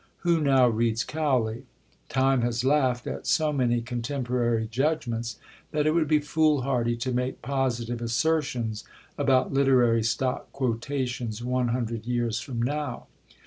Who now reads Cowley? Time has laughed at so many contemporary judgements that it would be foolhardy to make positive assertions about literary stock quotations one hundred years from now.